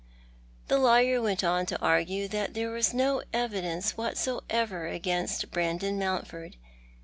The lawyer went on to argue that there was no evidence what ever against Brandon Mountford.